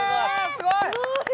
すごい。